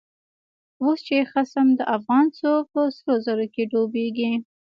اوس چی خصم د افغان شو، په سرو زرو کی ډوبيږی